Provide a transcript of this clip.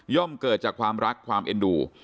เกิดจากความรักความเอ็นดู